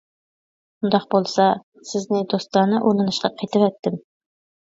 ئۇنداق بولسا، سىزنى دوستانە ئۇلىنىشقا قېتىۋەتتىم.